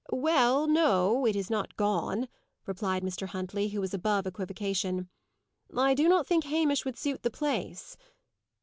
"Well no; it is not gone," replied Mr. Huntley, who was above equivocation. "I do not think Hamish would suit the place."